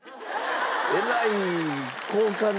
えらい交換条件